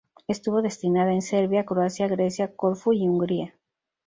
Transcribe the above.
Estuvo destinada en Serbia, Croacia, Grecia, Corfú y Hungría.